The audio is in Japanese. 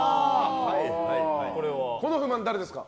この不満、誰ですか？